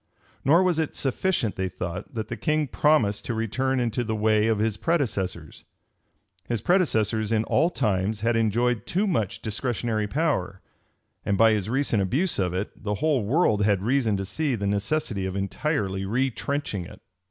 Nor was it sufficient, they thought, that the king promised to return into the way of his predecessors. His predecessors in all times had enjoyed too much discretionary power; and by his recent abuse of it, the whole world had reason to see the necessity of entirely retrenching it.